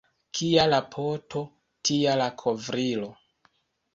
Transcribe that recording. Kia la poto, tia la kovrilo.